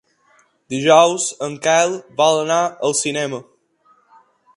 Dijous en Quel vol anar al cinema.